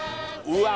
うわ